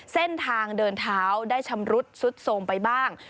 เส้นทางเดินเท้าได้ชำรุดซุดโทรมไปบ้าง